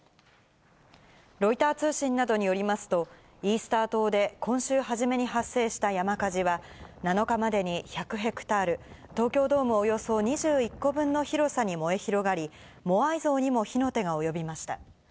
ロイター通信などによりますと、イースター島で今週初めに発生した山火事は、７日までに１００ヘクタール、東京ドームおよそ２１個分の広さに燃え広がり、モアイ像にも火の手が及びました。